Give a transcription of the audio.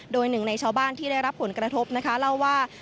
โดยหนึ่งในชาวบ้านที่ได้รับผลกระทบนะคะเล่าว่า